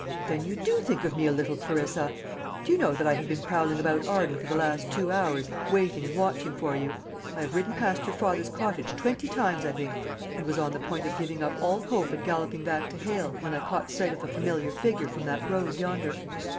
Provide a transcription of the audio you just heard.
"Then you do think of me a little, Clarissa! Do you know that I have been prowling about Arden for the last two hours, waiting and watching for you? I have ridden past your father's cottage twenty times, I think, and was on the point of giving up all hope and galloping back to Hale, when I caught sight of a familiar figure from that road yonder."